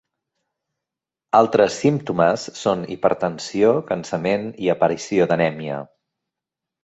Altres símptomes són hipertensió, cansament i aparició d'anèmia.